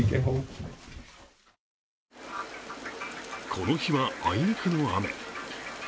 この日はあいにくの雨。